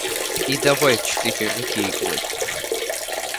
И давай в четыре руки играть.